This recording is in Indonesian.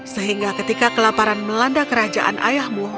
sehingga ketika kelaparan melanda kerajaan ayahmu